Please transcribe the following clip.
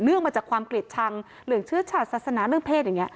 เนื่องมาจากความกลิ่นชังหรืออย่างเชื่อชาติศาสนาเรื่องเพศอย่างเงี้ย